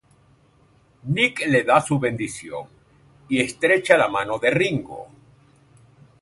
Nick les da su bendición y estrecha la mano de Ringo.